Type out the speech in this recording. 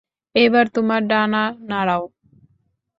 এবার তোমার ডানা নাড়াও।